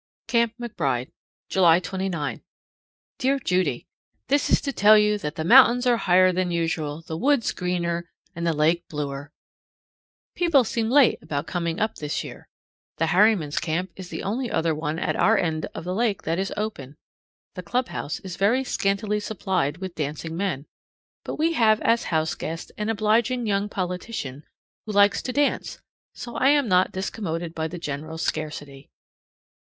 CAMP McBRIDE, July 29. Dear Judy: This is to tell you that the mountains are higher than usual, the woods greener, and the lake bluer. People seem late about coming up this year. The Harrimans' camp is the only other one at our end of the lake that is open. The clubhouse is very scantily supplied with dancing men, but we have as house guest an obliging young politician who likes to dance, so I am not discommoded by the general scarcity.